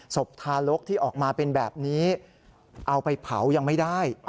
ศพทารกที่ออกมาเป็นแบบนี้เอาไปเผายังไม่ได้